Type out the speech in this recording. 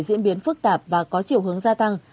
diễn biến phức tạp và có chiều hướng gia tăng